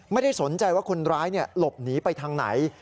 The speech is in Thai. ไม่ได้สนใจว่าคนร้ายหลบหนีไปทางไหน